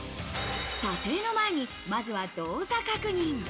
査定の前に、まずは動作確認。